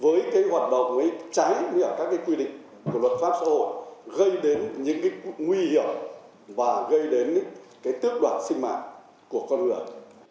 với cái hoạt động ấy trái ngược các cái quy định của luật pháp xã hội gây đến những cái nguy hiểm và gây đến cái tước đoạt sinh mạng của con người